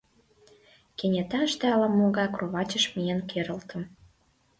Кенеташте ала-могай кроватьыш миен керылтым.